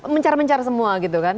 mencar mencar semua gitu kan